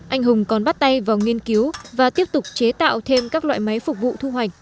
anh hùng còn bắt tay vào nghiên cứu và tiếp tục chế tạo thêm các loại máy phục vụ thu hoạch